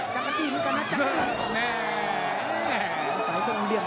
ตรงนี้นี่เอง